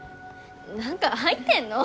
何か入ってんの？